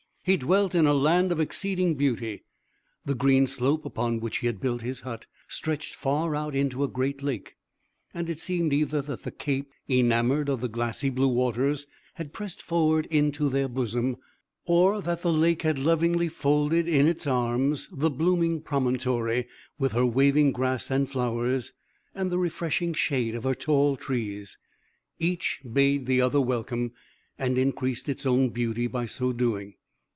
He dwelt in a land of exceeding beauty. The green slope, upon which he had built his hut, stretched far out into a great lake; and it seemed either that the cape, enamoured of the glassy blue waters, had pressed forward into their bosom, or that the lake had lovingly folded in its arms the blooming promontory, with her waving grass and flowers, and the refreshing shade of her tall trees. Each bade the other welcome, and increased its own beauty by so doing.